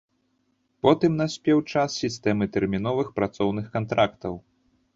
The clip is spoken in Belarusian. Потым наспеў час сістэмы тэрміновых працоўных кантрактаў.